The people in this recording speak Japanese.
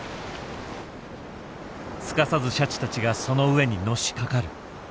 すかさずシャチたちがその上にのしかかる。